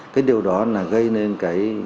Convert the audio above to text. cái điều đó là gây nên cái